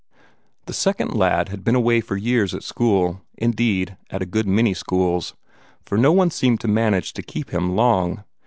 This second lad had been away for years at school, indeed, at a good many schools, for no one seemed to manage to keep him long.